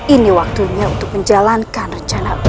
ini waktunya untuk menjalankan rencana